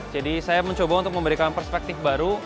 jadi saya mencoba untuk memberikan perspektif baru